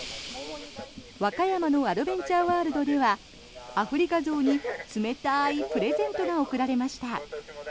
和歌山のアドベンチャーワールドではアフリカゾウに冷たいプレゼントが贈られました。